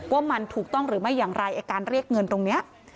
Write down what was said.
ว่ามันถูกต้องหรือไม่อย่างไรไอ้การเรียกเงินตรงนี้